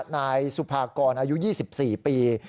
นายสุภากรอายุ๒๔ปี